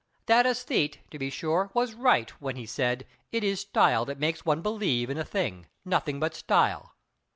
That aesthete, to be sure, was right, when he said: "It is Style that makes one believe in a thing; nothing but Style."